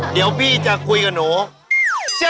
เดี๋ยวพี่จะคุยกับหนู